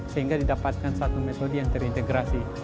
sehingga didapatkan satu metode yang terintegrasi